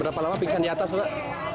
berapa lama pingsan di atas mbak